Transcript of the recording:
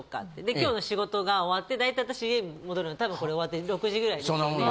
で今日の仕事が終わって大体私家戻るの多分これ終わって６時ぐらいですよね。